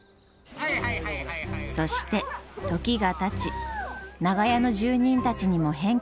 そして時がたち長屋の住人たちにも変化が。